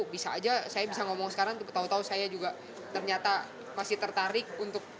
bisa aja saya bisa ngomong sekarang tahu tahu saya juga ternyata masih tertarik untuk